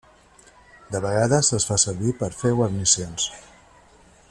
De vegades es fa servir per fer guarnicions.